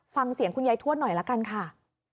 ฟังเสียงคุณยายทวดหน่อยละกันค่ะ